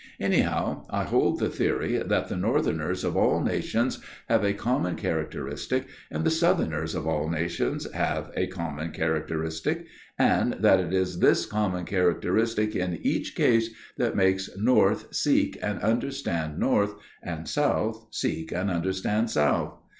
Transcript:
Anyhow, I hold the theory that the Northerners of all nations have a common characteristic and the Southerners of all nations have a common characteristic, and that it is this common characteristic in each case that makes North seek and understand North and South seek and understand South.